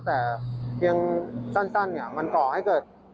แต่เพียงสั้นเนี่ยมันก่อให้เกิด